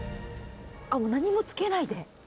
何もつけないで？